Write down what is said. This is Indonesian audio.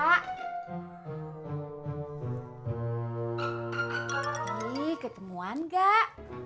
ih ii ketemuan gak